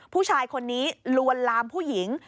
ผู้ชายคนนี้ลวนลามผู้หญิง